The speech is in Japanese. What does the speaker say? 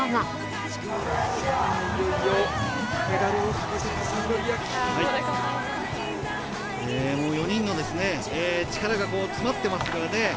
そして４人の力が詰まってますからね。